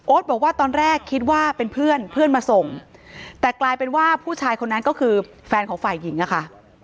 บอกว่าตอนแรกคิดว่าเป็นเพื่อนเพื่อนมาส่งแต่กลายเป็นว่าผู้ชายคนนั้นก็คือแฟนของฝ่ายหญิงอะค่ะ